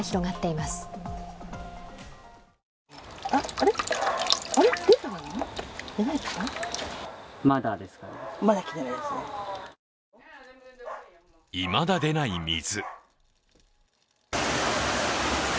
いまだ出ない水。